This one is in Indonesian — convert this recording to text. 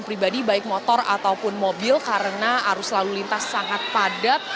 saya juga bisa sarankan pribadi baik motor ataupun mobil karena arus lalu lintas sangat padat